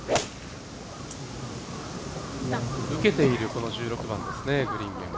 受けているこの１６番ですね、グリーン面。